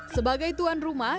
sebagai tuan rumah